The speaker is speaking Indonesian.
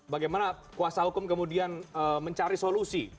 bagaimana kuasa hukum kemudian mencari solusi